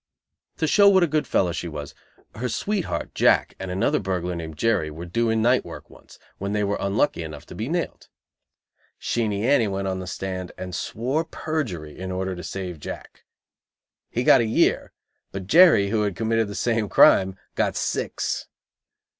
To show what a good fellow she was, her sweetheart, Jack, and another burglar named Jerry were doing night work once, when they were unlucky enough to be nailed. Sheenie Annie went on the stand and swore perjury in order to save Jack. He got a year, but Jerry, who had committed the same crime, got six.